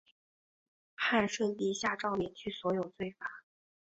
汉顺帝下诏免去所有罪罚。